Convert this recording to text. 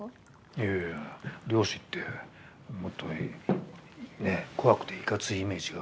いやいや漁師ってもっと怖くていかついイメージがあるから。